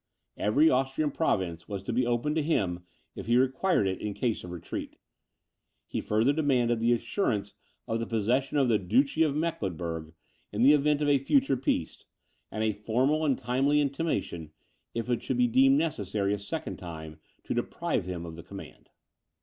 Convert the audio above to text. Every Austrian province was to be opened to him if he required it in case of retreat. He farther demanded the assurance of the possession of the Duchy of Mecklenburg, in the event of a future peace; and a formal and timely intimation, if it should be deemed necessary a second time to deprive him of the command.